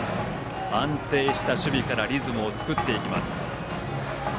安定した守備からリズムを作ります。